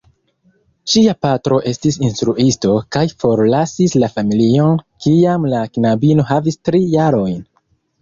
Ŝia patro estis instruisto, kaj forlasis la familion, kiam la knabino havis tri jarojn.